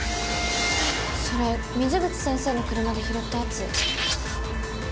それ水口先生の車で拾ったやつ。